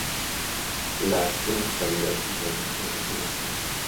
Las Municipalidades equivalen a los antiguos cabildos.